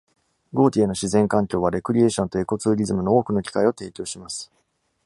ゴーティエの自然環境は、レクリエーションとエコツーリズムの多くの機会を提供します。